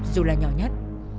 dù là nhỏ nhất